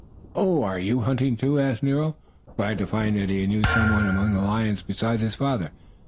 "Oh, are you hunting, too?" asked Nero, glad to find that he knew some one among the lions besides his father.